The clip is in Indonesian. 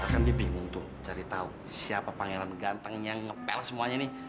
kan dia bingung tuh cari tahu siapa pangeran gantengnya yang ngepel semuanya nih